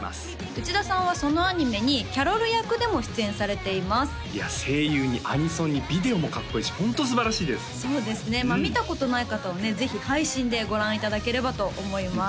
内田さんはそのアニメにキャロル役でも出演されていますいや声優にアニソンにビデオもかっこいいしホントすばらしいですそうですねまあ見たことない方はねぜひ配信でご覧いただければと思います